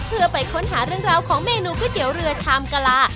เพื่อไปค้นหาเรื่องราวของเมนูก๋วยเตี๋ยวเรือชามกะลา